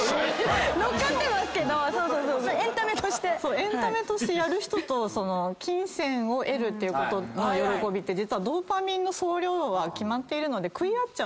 エンタメとしてやる人と金銭を得るってことの喜びってドーパミンの総量は決まっているので食い合っちゃうんですよね。